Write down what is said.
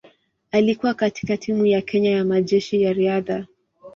Alikuwa katika timu ya Kenya ya Majeshi ya Riadha.